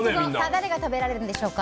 誰が食べられるんでしょうか。